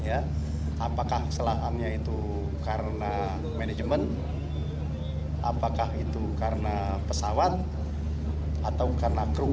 apakah kesalahannya itu karena manajemen apakah itu karena pesawat atau karena kru atau karena sop